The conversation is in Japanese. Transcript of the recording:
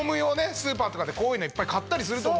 スーパーとかでこういうのいっぱい買ったりすると思う。